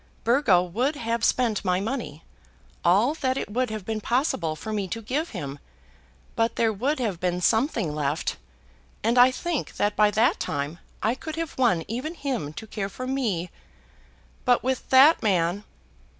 Burgo would have spent my money, all that it would have been possible for me to give him. But there would have been something left, and I think that by that time I could have won even him to care for me. But with that man